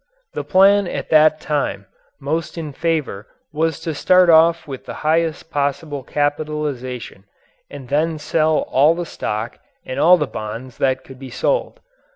The plan at that time most in favor was to start off with the largest possible capitalization and then sell all the stock and all the bonds that could be sold.